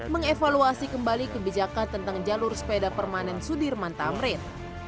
mengevaluasi kembali kebijakan tentang jalur sepeda permanen sudirman tamrin